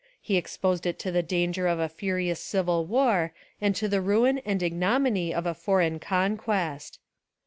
he exposed it to the danger of a furious civil war, and to the ruin and ignominy of a foreign conquest."